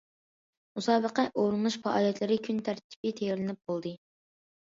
مۇسابىقە ئورۇنلاش پائالىيەتلىرى كۈنتەرتىپى تەييارلىنىپ بولدى.